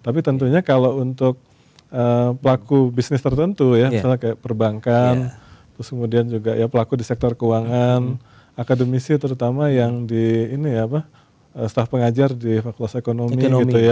tapi tentunya kalau untuk pelaku bisnis tertentu ya misalnya kayak perbankan terus kemudian juga ya pelaku di sektor keuangan akademisi terutama yang di ini ya apa staff pengajar di fakultas ekonomi gitu ya